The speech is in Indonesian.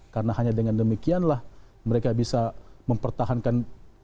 karena hanya dengan demikianlah mereka bisa mempertahankan